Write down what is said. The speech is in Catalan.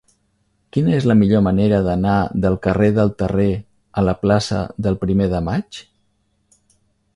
Quina és la millor manera d'anar del carrer de Terré a la plaça del Primer de Maig?